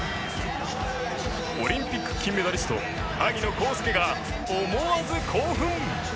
オリンピック金メダリスト萩野公介が思わず興奮！